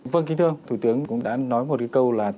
vâng kính thương thủ tướng cũng đã nói một câu là